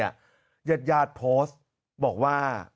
ยัดยาดโพสต์บอกว่า